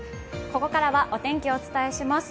ここからはお天気をお伝えします。